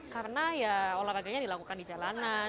karena ya olahraganya dilakukan di jalanan